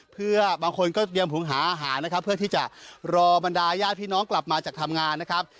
เพื่อบางคนก็เตรียมหุงหาอาหารนะครับเพื่อที่จะรอบรรดาญาติพี่น้องกลับมาจากทำงานนะครับ